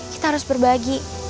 kita harus berbagi